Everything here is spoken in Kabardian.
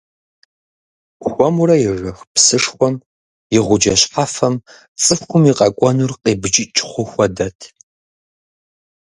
Хуэмурэ ежэх псышхуэм и гъуджэ щхьэфэм цӏыхум и къэкӏуэнур къибджыкӏ хъу хуэдэт.